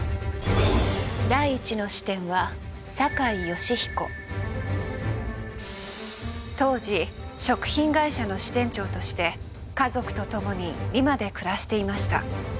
第１の視点は当時食品会社の支店長として家族と共にリマで暮らしていました。